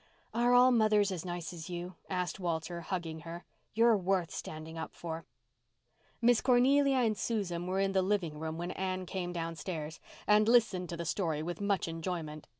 "Are all mothers as nice as you?" asked Walter, hugging her. "You're worth standing up for." Miss Cornelia and Susan were in the living room when Anne came downstairs, and listened to the story with much enjoyment.